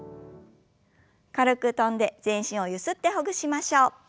軽く跳んで全身をゆすってほぐしましょう。